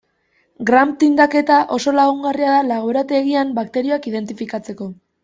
Gram tindaketa oso lagungarria da laborategian bakterioak identifikatzeko.